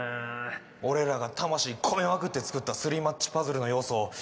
俺らが魂込めまくって作ったスリーマッチパズルの要素を